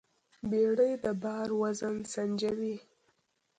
بیړۍ د بار وزن سنجوي.